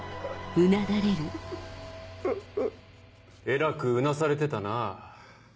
えらくうなされてたなぁ。